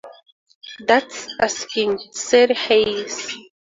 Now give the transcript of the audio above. "That's asking," said Hayes.